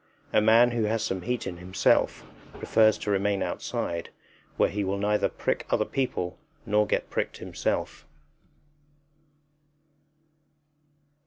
A man who has some heat in himself prefers to remain outside, where he will neither prick other people nor get pricked himself.